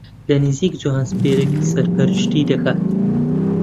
لە نزیک جۆهانسبێرگ سەرپەرشتی دەکات